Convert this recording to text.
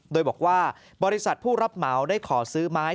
โดยบอกว่าบริษัทผู้รับเหมาได้ขอซื้อไม้